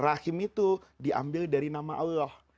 rahim itu diambil dari nama allah